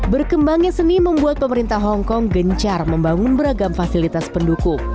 berkembangnya seni membuat pemerintah hongkong gencar membangun beragam fasilitas pendukung